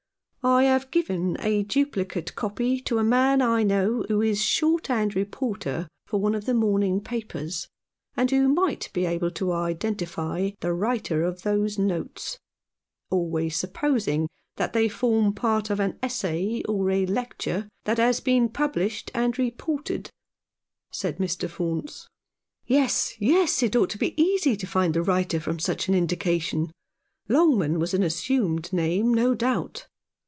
"I have given a duplicate copy to a man I know who is shorthand reporter for one of the morning papers, and who might be able to identify the writer of those notes — always supposing that they form part of an essay or a lecture that has been published and reported," said Mr. Faunce. " Yes, yes, it ought to be easy to find the writer from such an indication. Longman was an assumed name, no doubt."